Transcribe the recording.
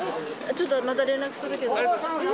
ちょっと、また連絡するけど。